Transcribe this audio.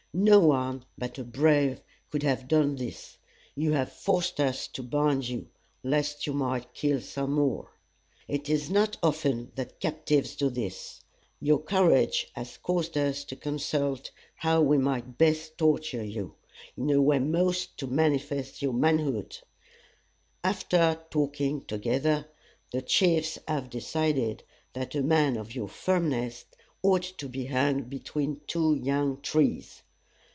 No one but a brave could have done this. You have forced us to bind you, lest you might kill some more. It is not often that captives do this. Your courage has caused us to consult how we might best torture you, in a way most to manifest your manhood. After talking together, the chiefs have decided that a man of your firmness ought to be hung between two young trees.